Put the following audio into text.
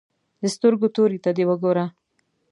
د سترګو تورې ته دې وګوره.